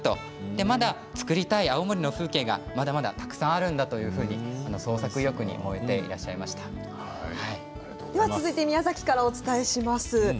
まだ作りたい青森の風景がまだまだたくさんあるんだと創作意欲に続いては宮崎からです。